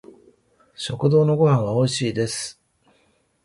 食堂のご飯は美味しいです